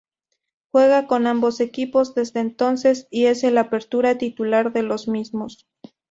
Juega con ambos equipos desde entonces y es el apertura titular de los mismos.